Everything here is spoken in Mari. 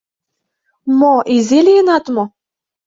Мо, изи лийынат мо?